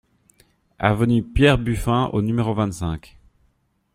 Avenue Pierre Buffin au numéro vingt-cinq